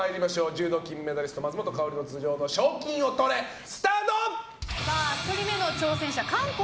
柔道金メダリスト松本薫の賞金を取れ。スタート！